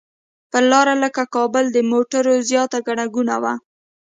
پر لاره لکه کابل د موټرو زیاته ګڼه ګوڼه وه.